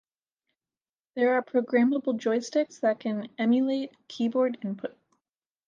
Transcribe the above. There are programmable joysticks that can emulate keyboard input.